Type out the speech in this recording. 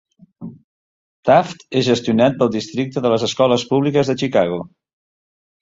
Taft és gestionat pel districte de les escoles públiques de Chicago.